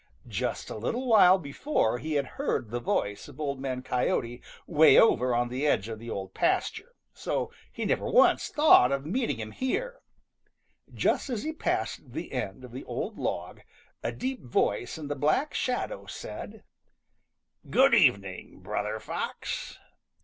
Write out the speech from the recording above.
Just a little while before he had heard the voice of Old Man Coyote way over on the edge of the Old Pasture, so he never once thought of meeting him here. Just as he passed the end of the old log, a deep voice in the black shadow said: "Good evening, Brother Fox."